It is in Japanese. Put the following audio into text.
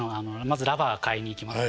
まずラバー買いに行きます。